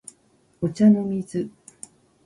お茶の水